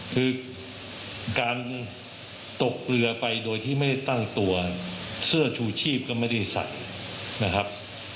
คือการตกเรือไปโดยที่ไม่ได้ตั้งตัวเสื้อชูชีพก็ไม่ได้ใส่นะครับ